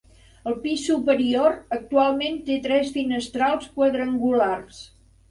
El pis superior actualment té tres finestrals quadrangulars.